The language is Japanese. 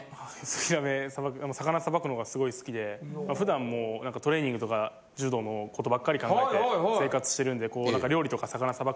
ヒラメ魚さばくのがすごい好きで普段もトレーニングとか柔道のことばっかり考えて生活してるんで。